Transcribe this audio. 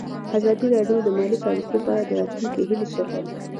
ازادي راډیو د مالي پالیسي په اړه د راتلونکي هیلې څرګندې کړې.